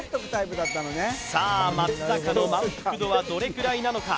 さあ松坂の満腹度はどれくらいなのか？